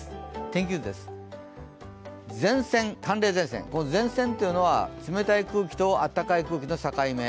天気図です、前線、寒冷前線、この前線というのは冷たい空気と暖かい空気の境目。